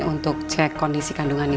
untuk cek kondisi kandungan ibu ya